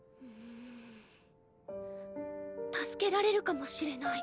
助けられるかもしれない。